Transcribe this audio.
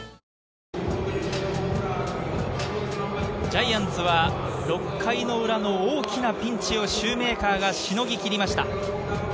ジャイアンツは６回の裏の大きなピンチをシューメーカーがしのぎ切りました。